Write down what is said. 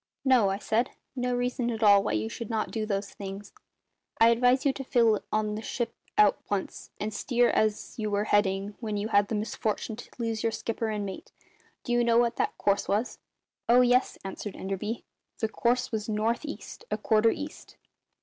"No," I said; "no reason at all why you should not do those things. I advise you to fill on the ship at once, and steer as you were heading when you had the misfortune to lose your skipper and mate. Do you know what that course was?" "Oh yes," answered Enderby; "the course was north east, a quarter east."